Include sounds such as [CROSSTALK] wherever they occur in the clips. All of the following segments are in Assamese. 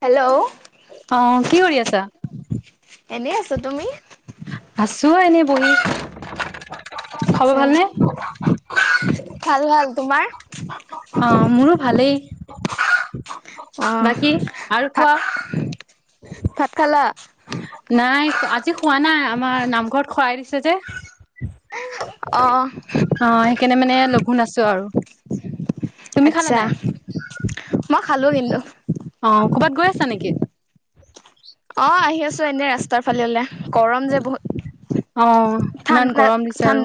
হেল্ল'। আহ কি কৰি আছা? এনেই আছো তুমি? আছো এনেই বহি। খবৰ আচ্ছা, ভালনে? ভাল ভাল তোমাৰ? অ' মোৰো ভালেই। অহ বাকী আৰু ভাত কোৱা। ভাত খালা? নাই আজি খোৱা নাই আমাৰ নামঘৰত শৰাই দিছে যে। অ অ' সেইকাৰণে মানে লঘোন আছো আৰু। তুমি খালা আচ্ছা নাই? মই খালো কিন্তু। অ' ক'বাত গৈ আছা নেকি? অ' আহি আছো এনে ৰাস্তাৰ ফালে ওলাই। গৰম যে অ বহুত, ইমান ঠাণ্ডা গৰম দিছে আৰু ঠান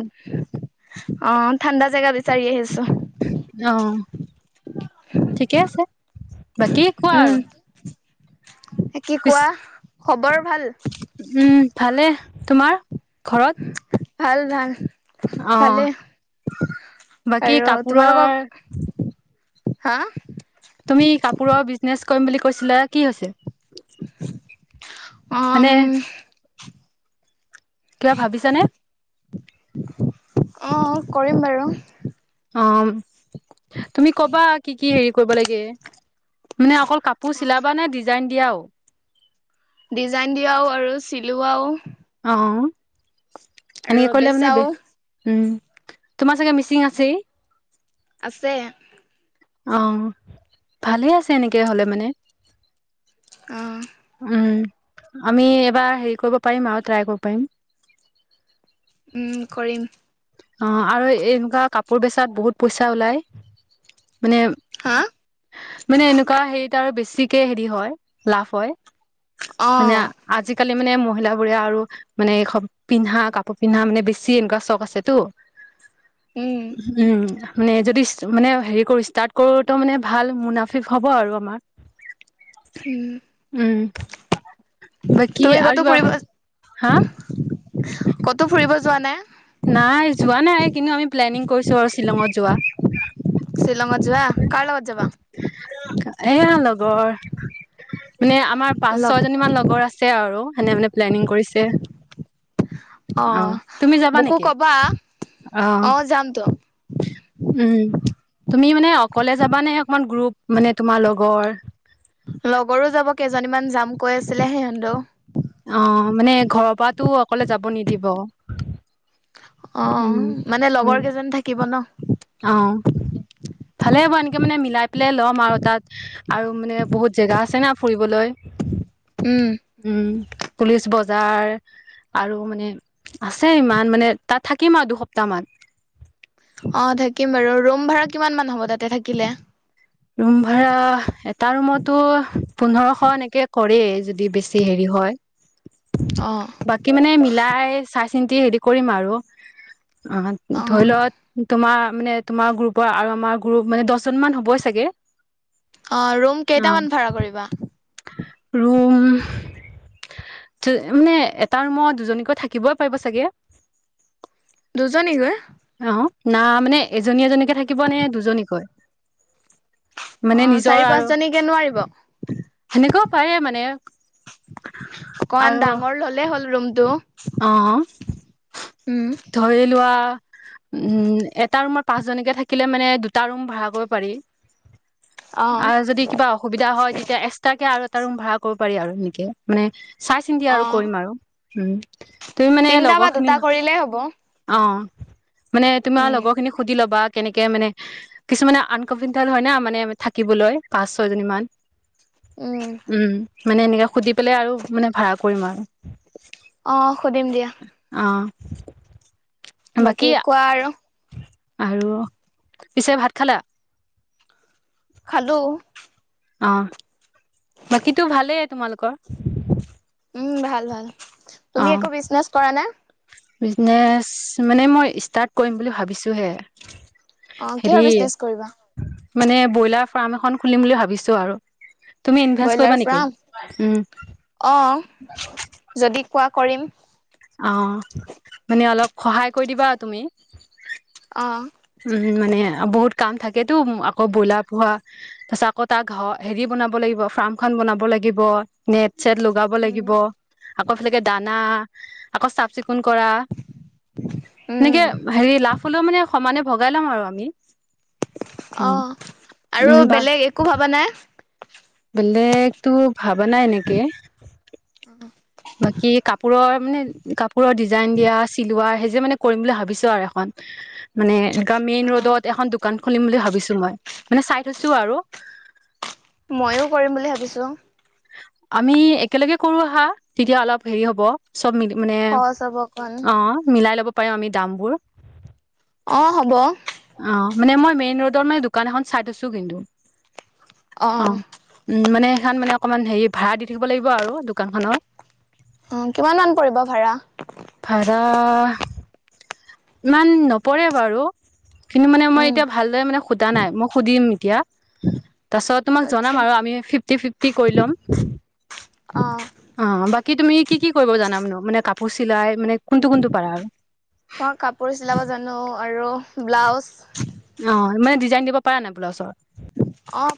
অ' ঠাণ্ডা জেগা বিচাৰি আহিছো। অ' ঠিকে আছে, বাকী কোৱা উম আৰু। কি পিছ, কোৱা খবৰ ভাল? উম ভালে। তোমাৰ ঘৰত? ভাল ভাল। অ ভালেই বাকী আৰু তোমালোকক কাপোৰৰ হা? তুমি কাপোৰৰ বিজনেচ কৰিম বুলি কৈছিলে কি হৈছে? মানে অ' উম। কিবা ভাবিছানে? অ' কৰিম বাৰু। অ' তুমি কবা কি কি হেৰি কৰিব লাগে। মানে অকল কাপোৰ অ চিলাবা নে ডিজাইন দিয়াও? ডিজাইন দিয়াও আৰু চিলোৱাও। অ' আৰু এনেকে কৰিলে বেচাও মানে, উম। তোমাৰ চাগে মিচিং আছেই। আছে। অ' ভালেই আছে এনেকে হলে মানে। অ'। উম, আমি এবাৰ হেৰি কৰিব পাৰিম আৰু ট্ৰাই কৰিব পাৰিম। উম কৰিম অ' আৰু এনেকুৱা কাপোৰ বেচাত বহুত পইচা ওলায়। মানে হা মানে এনেকুৱা হেৰিত আৰু বেছিকে হেৰি হয় লাভ হয়। মানে অ' আজিকালি মানে ম মহিল বোৰে আৰু মানে এই পিন্ধা কাপোৰ পিন্ধা মানে বেছি এনেকুৱা চখ আছেতো। উম উম। মানে যদি মানে হেৰি কৰো ষ্টাৰ্ট কৰো তো মানে ভাল মুনাফিক হ'ব আৰু আমাৰ। উম উম। বাকি তুমি ক'তো আগিব ফুৰিব হা কতো ফুৰিব যোৱা নাই? নাই যোৱা নাই কিন্তু আমি প্লেনিং কৰিছো আৰু শ্বিলঙত যোৱা। শ্বিলঙত যোৱা কাৰ লগত যাবা এয়া লগৰ মানে আমাৰ পাঁচ লগ ছয় জনী মান লগৰ আছে আৰু সেনে মানে প্লেনিং কৰিছে। আহ অ' তুমি যাবা মোকো নেকি ক'বা আহ। অ' যামতো উম তুমি মানে অকলে যাবাানে অকমান গ্ৰুপ মানে তোমাৰ লগৰ লগৰো যাব কেইজনীমান যাম কৈ আছিলে সিহতে। অ' মানে ঘৰৰ পৰাটো অকলে যাব নিদিব। উম অ' মানে উম লগৰ কেইজনী থাকিব ন। অ ভালে হ'ব এনেকে মানে মিলাই পেলাই ল'ম আৰু তাত আৰু মানে বহুত জেগা আছে না ফুৰিবলৈ। উম উম পুলিচ ব বজাৰ আৰু মানে আছে ইমান মানে তাত থাকিম আৰু দুসপ্তাহ মান। [INAUDIBLE] অ' থাকিম বাৰু ৰুম ভাড়া কিমান মান হ'ব তাতে থাকিলে? ৰুম ভাড়া, এটা ৰুমতো পোন্ধৰশ এনেকে কৰে যদি বেছি হেৰি হয়। অ' বাকী মানে মিলাই চাই চিন্তি হেৰি কৰিম আৰু। অ' ধৰি অ' লও তোমাৰ মানে তোমাৰ গ্ৰুপৰ আৰু আমাৰ গ্ৰুপ মানে দহজন মান হ'ব চাগে। অ' ৰুম কেইটামান ভাড়া কৰিবা? ৰুম মানে এটা ৰুমত দুজনীকৈ থাকিবই পাৰিব চাগে। দুজনী কৈ? অ না মানে এজনী এজনীকে থাকিব নে দুজনীকৈ? মানে অ' নিজৰ চাৰি আৰু, পাঁচজনীকে নোৱাৰিব সেনেকুৱা পাৰে মানে। অকমান আৰু ডাঙৰ ললেই হ'ল ৰুমতটো। অ'। ধৰি লোৱা উম, এটা ৰুমৰ পাঁচ জনীকে থাকিলে মানে দুটা ৰুম ভাড়া কৰিব পাৰি। অ' আৰু যদি কিবা অসুবিধা হয় তেতিয়া এচটাকে আৰু এটা ৰুম ভাড়া কৰিব পাৰি আৰু এনেকে মানে চাই চিন্তি আৰু অ' কৰিম আৰু, উম' তুমি মানে তিনটা বা লগৰ দুটা খিনি কৰিলেই হ'ব অ' মানে তোমাৰ উম। লগৰ খিনি সুধি ল'বা। কেনেকে মানে, কিছুমানে আনকফিনটাল হয় ন মানে থাকিবলৈ পাঁচ ছয় জনী মান। উম উম, মানে এনেকে সুধি পেলাই আৰু মানে ভাড়া কৰিম আৰু। অ' সুধিম দিয়া। [UNINTELLIGIBLE] বাকী কোৱা আৰু। আৰু, পিছে ভাত খালা। খালোঁ। অ' বাকীতো ভালেই তোমালোকৰ। উম, ভাল ভাল, তুমি একো বিজনেচ কৰা না। বিজনেছ মানে মই ষ্টাৰ্ট কৰিম বুলি ভাবিছোঁহে। অ' কিহৰ বিজনেচ কৰিবা? মানে ব্ৰইলাৰ ফাৰ্ম এখন খুলিম বুলি ভাবিছোঁ আৰু। তুমি ইনভেষ্ট কৰিবা ব্ৰইলাৰ নেকি উম ফাৰ্ম, অ' যদি কোৱা কৰিম। অ' মানে অলপ সহায় কৰি দিবা আৰু তুমি। অ উম, মানে বহুত কাম থাকেতো আকৌ বইলাৰ পোহা, তাৰছত আকৌ তাৰ ঘৰ হেৰি বনাব লাগিব ফাৰ্মখন বনাব লাগিব, নে চেট লগাব লাগিব, আকৌ তেনেকে দানা, আকৌ চাফ চিক [UNINTELLIGIBLE] কৰা। সেনেকে উম হেৰি লাভ হ'লেও মানে সমানে ভগাই ল'ম আৰু উম অ' আৰু উম বা বেলেগ একো ভাবা নাই। বেলেগতো ভাবা নাই এনেকে। বাকী কাপোৰৰ মানে কাপোৰৰ ডিজাইন দিয়া চিলোৱা সেই যে মানে কৰিম বুলি ভাবিছোঁ আৰু এখন। মানে অ মেইন ৰোডত এখন দোকান খুলিম বুলি ভাবিছোঁ মই, মানে চাই থৈছোঁ আৰু। ময়ো কৰিম বুলি ভাবিছোঁ। আমি একেলগে কৰো আহা, তেতিয়া অলপ হেৰি হ'ব। [UNINTELLIGIBLE] মানে, সহজ হ'ব অকণ অ' মিলাই ল'ব পাৰিম আমি দামবোৰ। অ' হ'ব। অ' মানে মই মেইন ৰোডৰ মানে দোকান এখন চাই থৈছোঁ কিন্তু। অ' উম, মানে সেইখন মানে অকমান হেৰি ভাড়া দি থাকিব লাগিব আৰু দোকান খনৰ। অ' কিমান মান পৰিব ভাড়া। অ' ইমান নপৰে বাৰু। কিন্তু মানে মই উম এতিয়া ভালদৰে মানে সুধা নাই মই সুধিম এতিয়া। তাৰপিছত তোমাক আচ্ছা জনাম আৰু আমি ফিফটি ফিফটি কৰি ল'ম। অ'। অ' বাকী তুমি কি কি কৰিব জানা মুনো মানে কাপোৰ চিলাই মানে কোনটো কোনটো পাৰা আৰু। অ' কাপোৰ চিলাব জানো আৰু ব্লাউজ। আহ মানে ডিজাইন দিব পৰা নাই ব্লাউজৰ অ